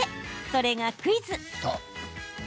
それがクイズ。